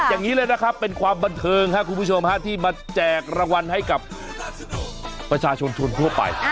อย่างนี้เลยนะครับเป็นความบันเทิงครับคุณผู้ชมที่มาแจกรางวัลให้กับประชาชนชนทั่วไป